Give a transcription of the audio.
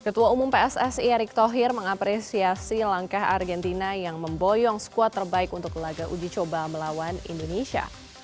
ketua umum pssi erick thohir mengapresiasi langkah argentina yang memboyong skuad terbaik untuk laga uji coba melawan indonesia